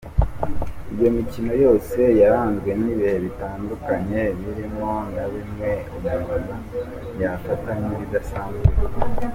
Iyo mikino yose yaranzwe n’ibihe bitandukanye, birimo na bimwe umuntu yafata nk’ibidasanzwe.